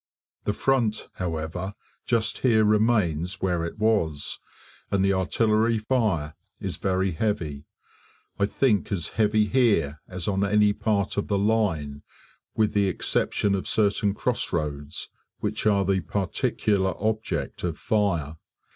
The front, however, just here remains where it was, and the artillery fire is very heavy I think as heavy here as on any part of the line, with the exception of certain cross roads which are the particular object of fire.